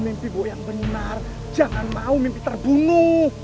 tapi boyang beninar jangan mau mimpi terbungu